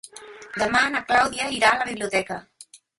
Demà na Clàudia irà a la biblioteca.